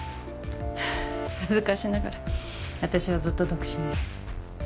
恥ずかしながら私はずっと独身で。